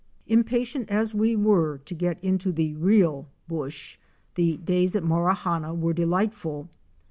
Impatient as we were to get into the real "bush," the days at Morawhanna were delightful.